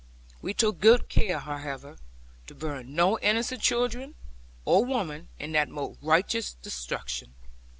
We took good care, however, to burn no innocent women or children in that most righteous destruction.